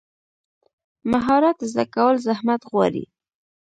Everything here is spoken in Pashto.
مهارت زده کول زحمت غواړي.